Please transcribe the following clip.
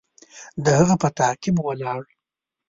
د هغه په تعقیب ولاړ.